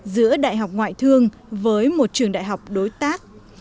giữa đại học ngoại thương với một trường đại học đối tác